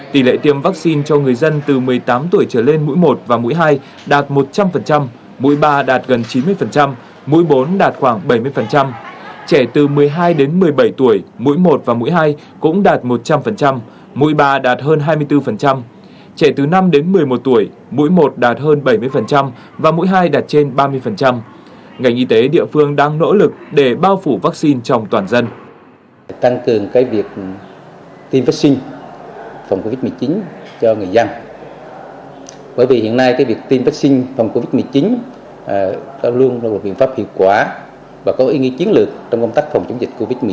tỷ lệ người dân đi tiêm vaccine covid một mươi chín mũi ba mũi bốn tại quảng ngãi